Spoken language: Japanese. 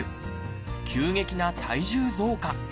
急激な体重増加。